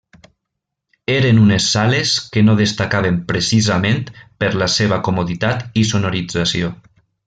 Eren unes sales que no destacaven precisament per la seva comoditat i sonorització.